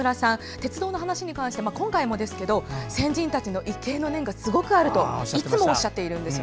鉄道の話に関しては今回もですが先人たちへの畏敬の念があるといつもおっしゃっています。